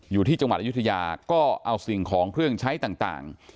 อยู่ที่จังหวัดอายุทยาก็เอาสิ่งของเครื่องใช้ต่าง